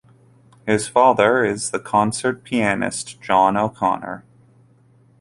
His father is the concert pianist John O'Conor.